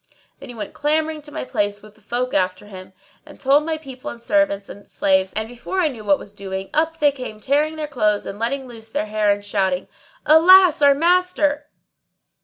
Then he ran clamouring to my place with the folk after him, and told my people and servants and slaves; and, before I knew what was doing, up they came tearing their clothes and letting loose their hair[FN#629] and shouting, "Alas, our master!"